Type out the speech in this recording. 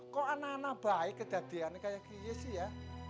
kok anak anak baik kejadiannya kayak gini sih ya